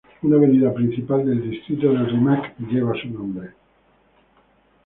Una avenida principal del distrito del Rimac lleva su nombre.